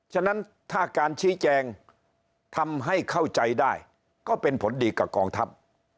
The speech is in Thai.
ฉะนั้นถ้าการชี้แจงทำให้เข้าใจได้ก็เป็นผลดีกับกองทัพ